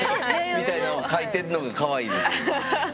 みたいなんを描いてんのがかわいいです。